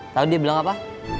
lalu dia bilang apa